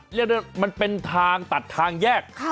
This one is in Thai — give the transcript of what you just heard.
เรื่องนี้มันเป็นทางตัดทางแยก